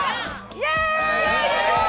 イエーイ！